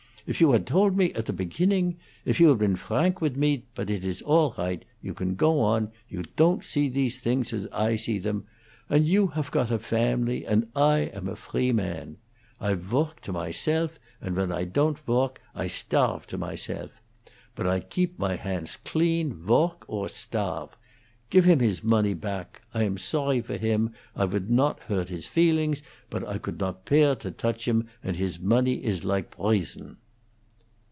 If you hat toldt me at the peginning if you hat peen frank with me boat it iss all righdt; you can go on; you ton't see dese tings as I see them; and you haf cot a family, and I am a free man. I voark to myself, and when I ton't voark, I sdarfe to myself. But I geep my handts glean, voark or sdarfe. Gif him hiss mawney pack! I am sawry for him; I would not hoart hiss feelings, boat I could not pear to douch him, and hiss mawney iss like boison!"